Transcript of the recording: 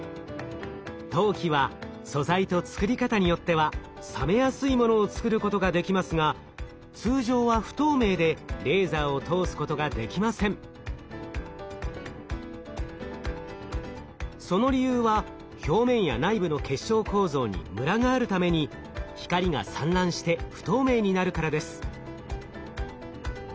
陶器は素材と作り方によっては冷めやすいものを作ることができますがその理由は表面や内部の結晶構造にムラがあるために光が散乱して不透明になるからです。